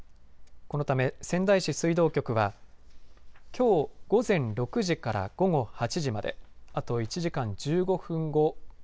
このため仙台市水道局はきょう午前６時から午後８時まであと１時間１５分後。